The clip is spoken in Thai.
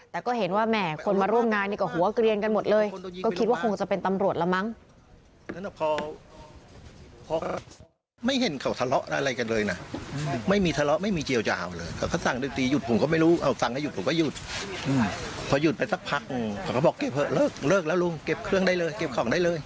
แต่ก็เห็นว่าแหมคนมาร่วมงานกับหัวกเรียนกันหมดเลย